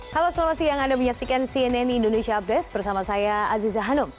halo selamat siang anda menyaksikan cnn indonesia update bersama saya aziza hanum